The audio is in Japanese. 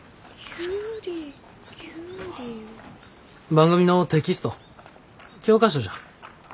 番組のテキスト教科書じゃ。